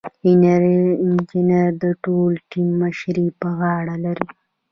انجینر د ټول ټیم مشري په غاړه لري.